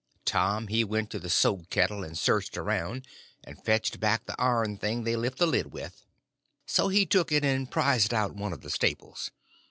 Tom he went to the soap kettle and searched around, and fetched back the iron thing they lift the lid with; so he took it and prized out one of the staples.